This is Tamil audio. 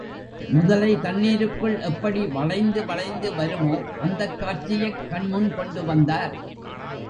முதலை தண்ணீருக்குள் எப்படி வளைந்து வளைந்து வருமோ அந்தக் காட்சியைக் கண்முன் கொண்டு வந்தார்.